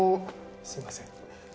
すいません。